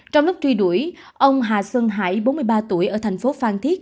trong lúc truy đuổi ông hà xuân hải bốn mươi ba tuổi ở thành phố phan thiết